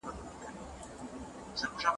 هغه ادب چي د ټولني په کچه وي، خورا اغېزمن دی.